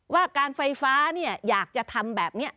ว่าการไฟฟ้าอยากจะทำแบบนี้